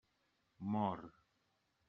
Mort.